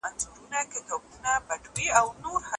ازل یې به نصیب کښلی توپان به بدل نه سي